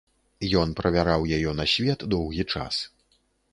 Ён правяраў яе на свет доўгі час.